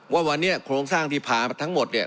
ว่าวันนี้โครงสร้างที่พามาทั้งหมดเนี่ย